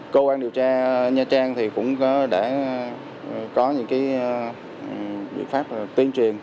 công an điều tra nha trang thì cũng đã có những cái biện pháp tuyên truyền